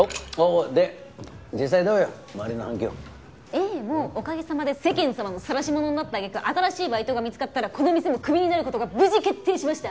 ええもうおかげさまで世間様のさらし者になった揚げ句新しいバイトが見つかったらこの店もクビになる事が無事決定しました！